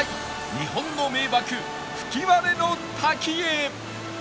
日本の名瀑吹割の滝へ